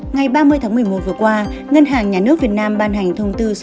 ngày ba mươi tháng một mươi một vừa qua ngân hàng nhà nước việt nam ban hành thông tư số một